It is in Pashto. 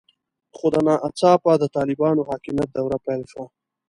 خو ناڅاپه د طالبانو حاکمیت دوره پیل شوه.